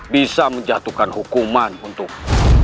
bisa menjatuhkan hukuman untukmu